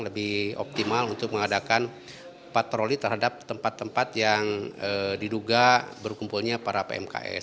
lebih optimal untuk mengadakan patroli terhadap tempat tempat yang diduga berkumpulnya para pmks